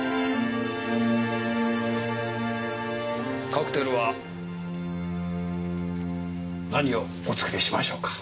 カクテルは何をお作りしましょうか？